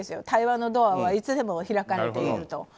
対話のドアはいつでも開かれていると。